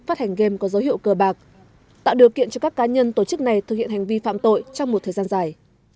phát hành game có dấu hiệu cờ bạc tạo điều kiện cho các cá nhân tổ chức này thực hiện hành vi phạm tội trong một thời gian dài